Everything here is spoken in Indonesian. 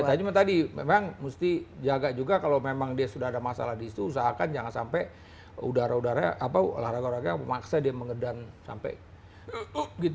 nah cuma tadi memang mesti jaga juga kalau memang dia sudah ada masalah di situ usahakan jangan sampai udara udara olahraga memaksa dia mengedan sampai kok gitu